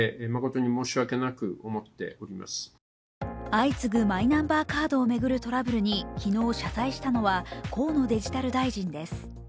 相次ぐマイナンバーカードを巡るトラブルに昨日、謝罪したのは河野デジタル大臣です。